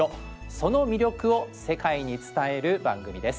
その魅力を世界に伝える番組です。